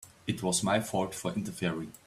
It was my fault for interfering.